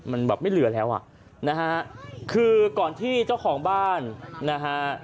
มันแบบไม่เหลือแล้วอ่ะนะฮะคือก่อนที่เจ้าของบ้านนะฮะ